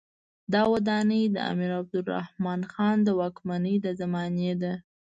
دا ودانۍ د امیر عبدالرحمن خان د واکمنۍ د زمانې ده.